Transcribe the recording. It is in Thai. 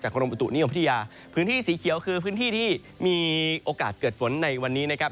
กรมประตุนิยมพัทยาพื้นที่สีเขียวคือพื้นที่ที่มีโอกาสเกิดฝนในวันนี้นะครับ